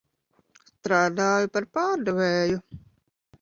Strādāju par pārdevēju.